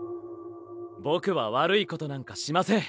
ぼくは悪いことなんかしません！